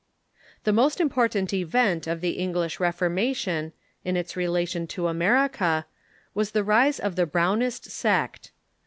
The most important event of the English Reformation, in its relation to America, was the rise of the Brownist sect.